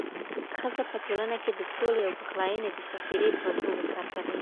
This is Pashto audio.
ښځه په ټولنه کي د سولې او پخلاینې د سفیرې په توګه کار کوي